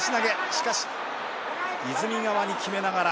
しかし泉川に決めながら。